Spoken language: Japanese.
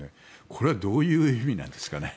これはどういう意味なんですかね？